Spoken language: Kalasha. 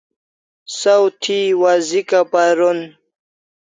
Saw thi wazika paron